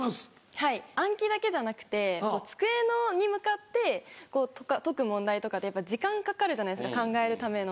はい暗記だけじゃなくて机に向かって解く問題とかって時間かかるじゃないですか考えるための。